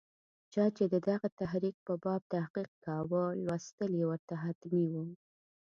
چا چې د دغه تحریک په باب تحقیق کاوه، لوستل یې ورته حتمي وو.